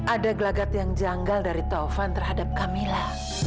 ada gelagat yang janggal dari taufan terhadap camilla